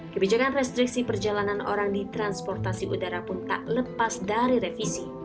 kebijakan restriksi perjalanan orang di transportasi udara pun tak lepas dari revisi